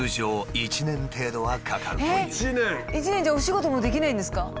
１年じゃあお仕事もできないんですか？